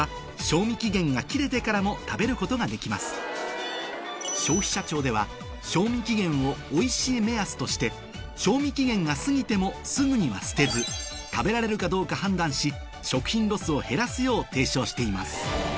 しかし消費者庁では賞味期限を「おいしいめやす」として賞味期限が過ぎてもすぐには捨てず食べられるかどうか判断し食品ロスを減らすよう提唱しています